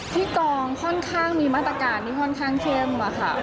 ที่กองค่อนข้างมีมาตรการที่ค่อนข้างเข้มค่ะ